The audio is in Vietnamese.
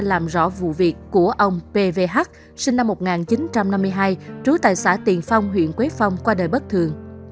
làm rõ vụ việc của ông pv h sinh năm một nghìn chín trăm năm mươi hai trú tại xã tiền phong huyện quế phong qua đời bất thường